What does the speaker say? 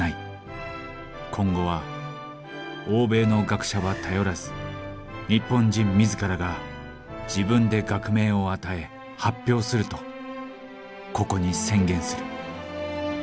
今後は欧米の学者は頼らず日本人自らが自分で学名を与え発表するとここに宣言する」。